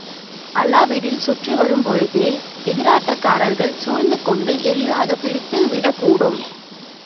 அல்லாவிடில், சுற்றிவரும் பொழுதே எதிராட்டக்காரர்கள் சூழ்ந்து கொண்டு எளிதாகப் பிடித்துவிடக் கூடும்.